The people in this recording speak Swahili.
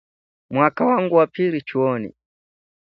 Mwaka wangu wa pili chuoni